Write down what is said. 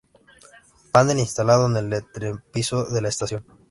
Panel instalado en el entrepiso de la estación.